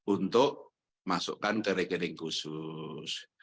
untuk masukkan ke rekening khusus